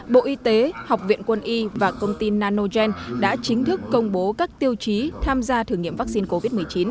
bộ y tế học viện quân y và công ty nanogen đã chính thức công bố các tiêu chí tham gia thử nghiệm vaccine covid một mươi chín